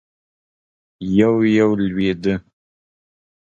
يو- يو لوېده.